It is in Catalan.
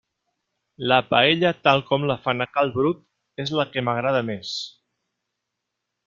La paella tal com la fan a cal Brut és la que m'agrada més.